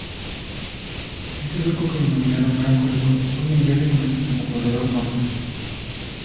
Este surco, que denominaron "Gran Corredor", hoy en día se conoce como Corredor Norton.